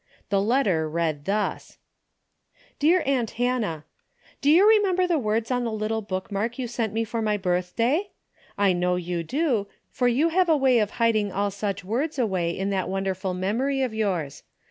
The letter read thus :" Dear aunt Hannah :" Do you remember the words on the little bookmark you sent me for my birthday? I know you do, for you have a way of hiding all such words away in that wonderful mem ory of yours.